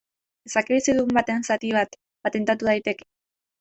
Izaki bizidun baten zatia bat patentatu daiteke?